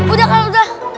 udah kan udah